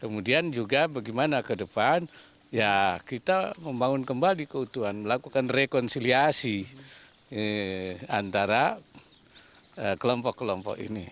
kemudian juga bagaimana ke depan ya kita membangun kembali keutuhan melakukan rekonsiliasi antara kelompok kelompok ini